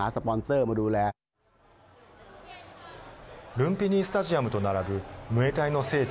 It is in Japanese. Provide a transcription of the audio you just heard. ルンピニー・スタジアムと並ぶムエタイの聖地